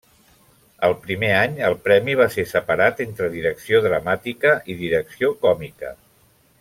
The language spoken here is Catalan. El primer any, el premi va ser separat entre Direcció Dramàtica i Direcció Còmica.